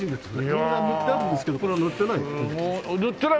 みんな塗ってあるんですけどこれは塗ってないっていう。